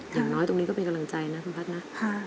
อย่างน้อยตรงนี้ก็เป็นกำลังใจนะคุณพัฒน์นะ